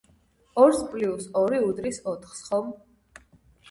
ორს პლუს ორი უდრის ოთხს, ხომ?